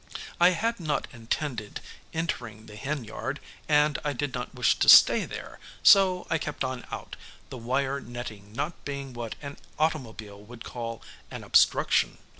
I had not intended entering the hen yard, and I did not wish to stay there, so I kept on out, the wire netting not being what an automobile would call an obstruction.